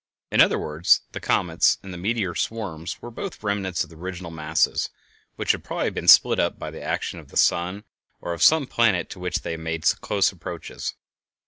In other words the comets and the meteor swarms were both remnants of original masses which had probably been split up by the action of the sun, or of some planet to which they had made close approaches.